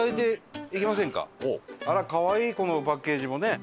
あらかわいいこのパッケージもね。